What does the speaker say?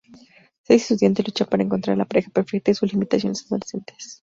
Seis estudiantes luchan para encontrar a la pareja perfecta y sus limitaciones adolescentes.